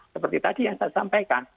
seperti tadi yang saya sampaikan